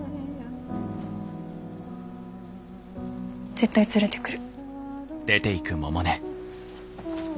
絶対連れてくる。